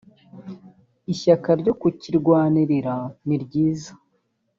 ishyaka ryo kukirwanirira niryiza